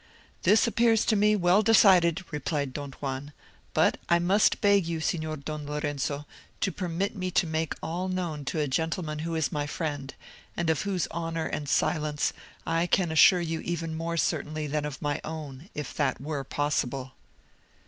"This appears to me well decided," replied Don Juan, "but I must beg you, Signor Don Lorenzo, to permit me to make all known to a gentleman who is my friend, and of whose honour and silence I can assure you even more certainly than of my own, if that were possible."